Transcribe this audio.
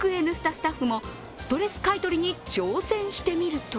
」スタッフもストレス買い取りに挑戦してみると